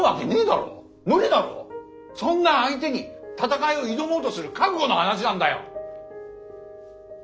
そんな相手に戦いを挑もうとする覚悟の話なんだよ！